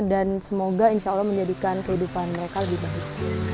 dan semoga insya allah menjadikan kehidupan mereka lebih baik